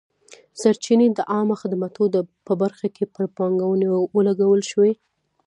سرچینې د عامه خدماتو په برخه کې پر پانګونې ولګول شوې.